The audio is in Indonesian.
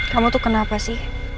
kamu tuh kenapa sih